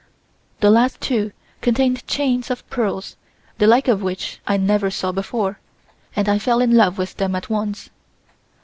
The last two contained chains of pearls, the like of which I never saw before, and I fell in love with them at once.